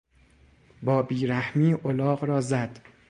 با بیرحمی الاغ را زد.